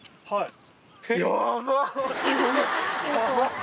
はい。